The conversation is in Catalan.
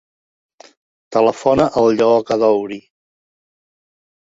Telefona al Lleó Kaddouri.